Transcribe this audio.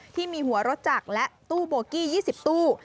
ที่มีหัวรถจักรและตู้โบกี้๒๐ตู้